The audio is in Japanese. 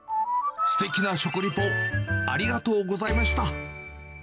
すてきな食リポ、ありがとうございました。